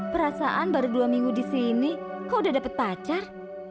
perasaan baru dua minggu di sini kok udah dapet pacar